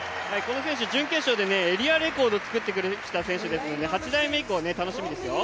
準決勝でエリアレコードを作ってきた選手ですので８台目以降楽しみですよ。